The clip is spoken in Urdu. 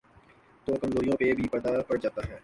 تو کمزوریوں پہ بھی پردہ پڑ جاتاہے۔